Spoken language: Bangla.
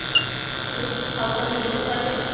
তুমি খাওসান রোডে যেতে পারবে?